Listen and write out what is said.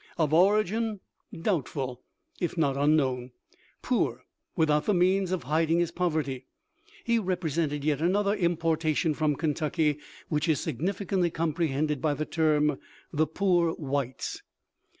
Of origin, doubtful if not un known ; "poor, without the means of hiding his poverty," he represented yet another importation from Kentucky which is significantly comprehended by the term, "the poor whites."